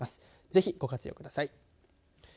ぜひ、ご活用ください。